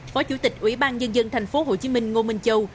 phó chủ tịch ubnd tp hcm ngô minh trọng